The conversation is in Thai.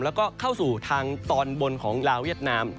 แล้วก็เข้าสู่ทางตอนบนของลาวเวียดนาม